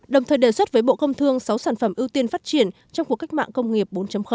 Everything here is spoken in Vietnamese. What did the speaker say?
đồng thời đề xuất với bộ công thương sáu sản phẩm ưu tiên phát triển trong cuộc cách mạng công nghiệp bốn